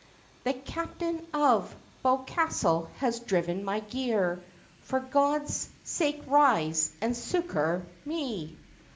The captain of Bewcastle has driven my gear; For God's sake rise, and succour me!"